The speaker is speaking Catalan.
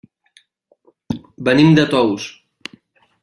Venim de Tous.